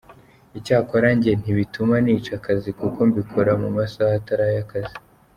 Icyakora njye ntibituma nica akazi kuko mbikora mu masaha atari ay’akazi.